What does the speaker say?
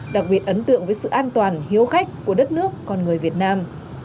đặc biệt ấn tượng với sự an toàn hiếu khách của đất nước con người việt nam